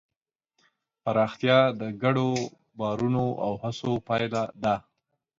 پراختیا د ګډو باورونو او هڅو پایله ده.